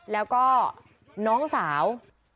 แล้วก็น้องสาว